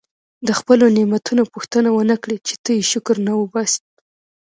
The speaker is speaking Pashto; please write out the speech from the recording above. د خپلو نعمتونو پوښتنه ونه کړي چې ته یې شکر نه وباسې.